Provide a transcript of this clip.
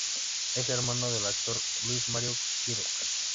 Es hermano del actor Luis Mario Quiroz.